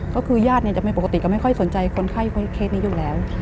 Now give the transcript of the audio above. ก็คือญาติจะไม่ปกติก็ไม่ค่อยสนใจคนไข้เคสนี้อยู่แล้ว